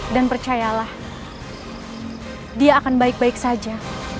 dan percayalah dia akan baik baik saja